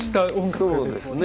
そうですね。